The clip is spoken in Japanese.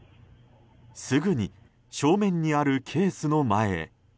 すぐに正面にあるケースの前へ。